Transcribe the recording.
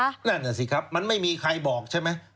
นั่นน่ะสิครับมันไม่มีใครบอกใช่ไหม